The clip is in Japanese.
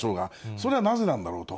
それはなぜなんだろうと。